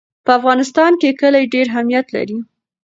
په افغانستان کې کلي ډېر اهمیت لري.